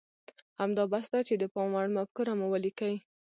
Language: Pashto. همدا بس ده چې د پام وړ مفکوره مو وليکئ.